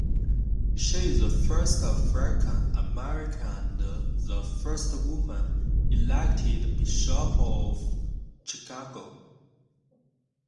She is the first African American and the first woman elected bishop of Chicago.